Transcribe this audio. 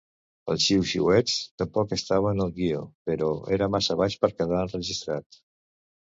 El xiuxiueig tampoc estava en el guio, però era massa baix per quedar enregistrat.